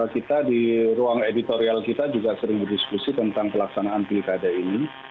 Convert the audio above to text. kita di ruang editorial kita juga sering berdiskusi tentang pelaksanaan pilkada ini